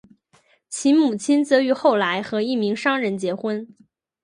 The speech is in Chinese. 其母亲则于后来和一名商人结婚。